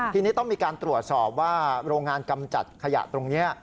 ทีนี้ต้องมีการตรวจสอบว่าโรงงานกำจัดขยะตรงนี้